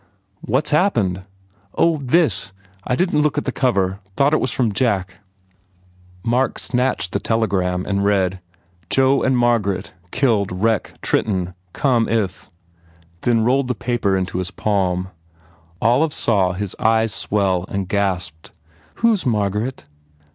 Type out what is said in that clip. "What s happened?" "Oh, this! I didn t look at the cover thought it was from Jack " 45 THE FAIR REWARDS Mark snatched the telegram and read, "Joe ..:..:. Margaret killed wreck Trenton come if " then rolled the paper into his palm. Olive saw his eyes swell and gasped. "Who s Margaret?"